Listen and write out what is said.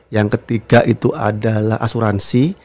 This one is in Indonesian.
yang ketiga itu adalah asuransi